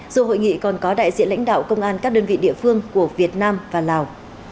dù hội nghị còn có đại diện lãnh đạo công an các đơn vị địa phương của việt nam và lào